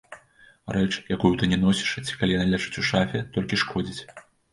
Рэч, якую ты не носіш, ці калі яна ляжыць у шафе, толькі шкодзіць.